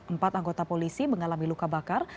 empat anggota polisi mengalami luka bakar